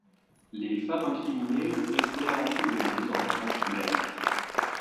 Les femmes incriminées restèrent emprisonnées dans l’attente du verdict.